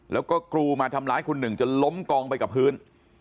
แล้วก็กรูมาทำร้ายคุณหนึ่งจนล้มกองไปกับพื้น